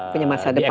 punya masa depan